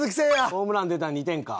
ホームラン出たら２点か。